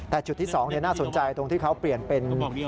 แต่จุดที่๒น่าสนใจตรงที่เขาเปลี่ยนเป็น